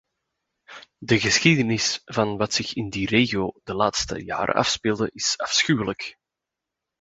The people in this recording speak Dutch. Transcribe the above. De geschiedenis van wat zich in die regio de laatste jaren afspeelde, is afschuwelijk.